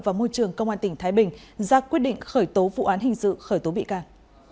và môi trường công an tỉnh thái bình ra quyết định khởi tố vụ án hình sự khởi tố bị can